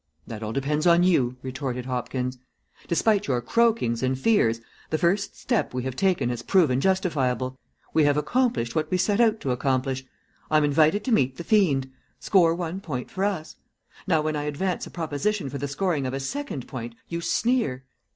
"That all depends on you," retorted Hopkins. "Despite your croakings and fears, the first step we have taken has proven justifiable. We have accomplished what we set out to accomplish. I am invited to meet the fiend. Score one point for us. Now, when I advance a proposition for the scoring of a second point, you sneer.